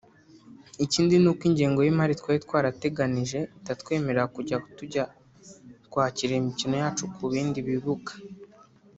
Ikindi ni uko ingengo y’imari twari twarateganije itatwemerera kujya tujya kwakirira imikino yacu ku bindi bibuga